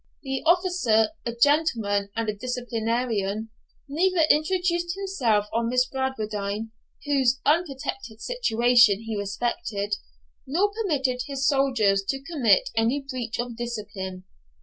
The officer, a gentleman and a disciplinarian, neither intruded himself on Miss Bradwardine, whose unprotected situation he respected, nor permitted his soldiers to commit any breach of discipline.